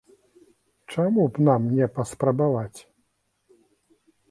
Чаму б нам не паспрабаваць.